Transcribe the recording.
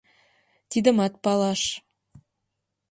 Тидымат палаш.